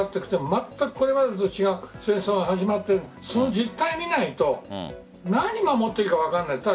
まったく今までと違う戦争が始まっている実態を見ないと何を守っていいのか分からない。